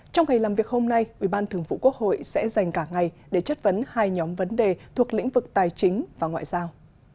trong ngày làm việc hôm nay ủy ban thường vụ quốc hội sẽ dành cả ngày để chất vấn hai nhóm vấn đề thuộc lĩnh vực tài chính và ngoại giao